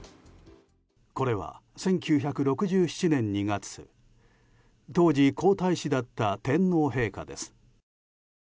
これは１９６７年２月当時、皇太子だった天皇陛下です。